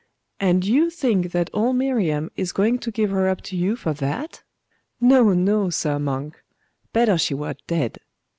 And you think that old Miriam is going to give her up to you for that? No, no, sir monk! Better she were dead!....